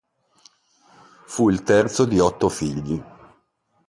Fu il terzo di otto figli.